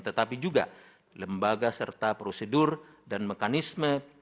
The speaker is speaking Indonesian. tetapi juga lembaga serta prosedur dan mekanisme